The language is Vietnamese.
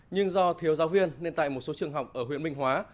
nhưng do thiếu giáo viên nên tại một số trường học ở huyện minh hóa